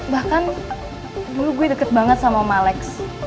bahkan dulu gue deket banget sama om alex